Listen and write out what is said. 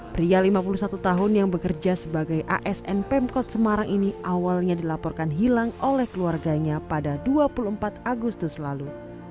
pria lima puluh satu tahun yang bekerja sebagai asn pemkot semarang ini awalnya dilaporkan hilang oleh keluarganya pada dua puluh empat agustus lalu